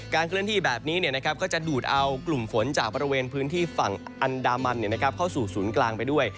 เคลื่อนที่แบบนี้ก็จะดูดเอากลุ่มฝนจากบริเวณพื้นที่ฝั่งอันดามันเข้าสู่ศูนย์กลางไปด้วย